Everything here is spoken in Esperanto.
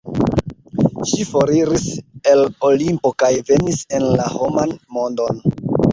Ŝi foriris el Olimpo kaj venis en la homan mondon.